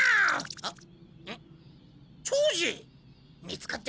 あっ？